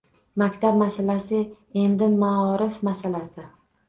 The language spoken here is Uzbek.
Maktab masalasi endi maorif masalasi.